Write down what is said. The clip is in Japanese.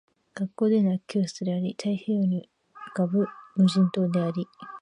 学校での空き教室であり、太平洋に浮ぶ無人島であり